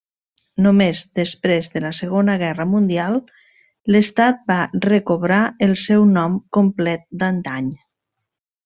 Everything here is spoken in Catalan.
Només després de la segona guerra mundial, l'estat va recobrar el seu nom complet d'antany.